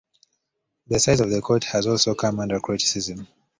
The size of the court has also come under criticism.